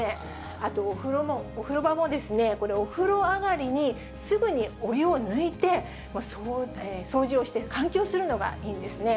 あとお風呂場もですね、お風呂上がりにすぐにお湯を抜いて、掃除をして換気をするのがいいんですね。